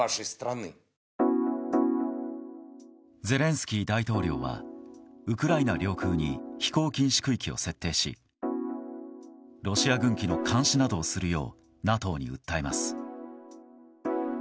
ゼレンスキー大統領はウクライナ領空に飛行禁止空域を設定しロシア軍機の監視などをするようＮＡＴＯに訴えます。